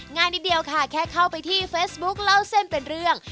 นิดเดียวค่ะแค่เข้าไปที่เฟซบุ๊คเล่าเส้นเป็นเรื่อง